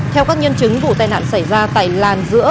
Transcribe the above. theo các nhân chứng vụ tai nạn xảy ra tại làn giữa